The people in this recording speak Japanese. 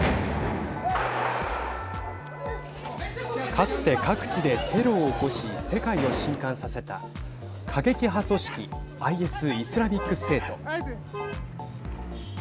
かつて、各地でテロを起こし世界をしんかんさせた過激派組織ＩＳ＝イスラミックステート。